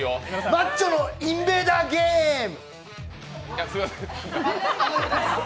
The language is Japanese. マッチョのインベーダーゲーム。